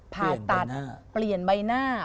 ผ่าตัดเปลี่ยนใบหน้า